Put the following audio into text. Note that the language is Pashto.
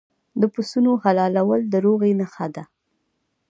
د پسونو حلالول د روغې نښه ده.